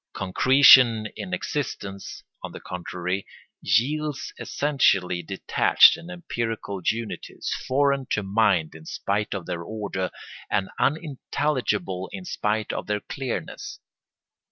Concretion in existence, on the contrary, yields essentially detached and empirical unities, foreign to mind in spite of their order, and unintelligible in spite of their clearness.